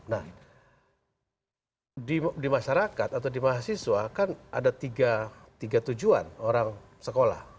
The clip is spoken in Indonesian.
nah di masyarakat atau di mahasiswa kan ada tiga tujuan orang sekolah